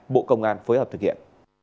bộ công an phối hợp thực hiện